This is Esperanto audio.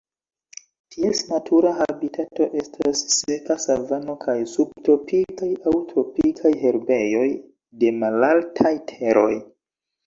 Ties natura habitato estas seka savano kaj subtropikaj aŭ tropikaj herbejoj de malaltaj teroj.